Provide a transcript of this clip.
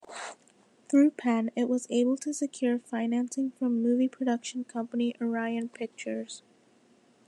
Through Penn, it was able to secure financing from movie production company Orion Pictures.